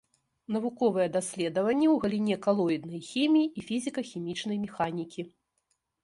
Навуковыя даследаванні ў галіне калоіднай хіміі і фізіка-хімічнай механікі.